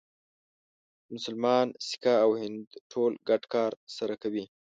مسلمان، سیکه او هندو ټول ګډ کار سره کوي.